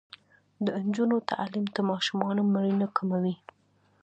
د نجونو تعلیم د ماشومانو مړینه کموي.